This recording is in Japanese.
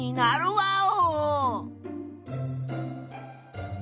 ワ―オ！